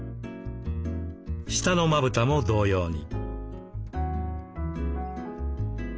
下のまぶたも同様に。